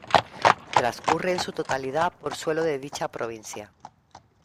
Transcurre en su totalidad por suelo de dicha provincia.